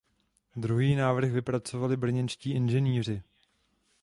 Druhý návrh vypracovali brněnští inženýři.